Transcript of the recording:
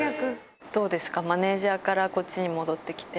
どうですか、マネージャーからこっちに戻ってきて。